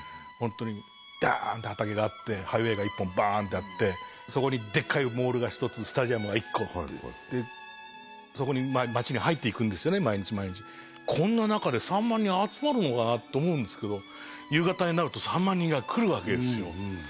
ホントにダーンって畑があってハイウエーが一本バーンってあってそこにでっかいモールが１つスタジアムが１個あってそこに町に入っていくんですよね毎日毎日こんな中で３万人集まるのかなと思うんですけど夕方になると３万人が来るわけですよ